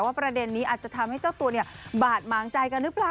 ประเด็นนี้อาจจะทำให้เจ้าตัวเนี่ยบาดหมางใจกันหรือเปล่า